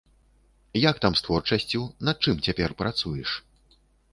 Як там з творчасцю, над чым цяпер працуеш?